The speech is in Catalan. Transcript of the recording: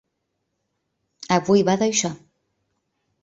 Avui va d’això .